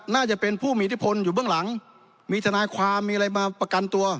น่าจะเป็นผู้มีอิทธิพลอยู่เบื้องหลังมีทนายความมีอะไรมาประกันตัว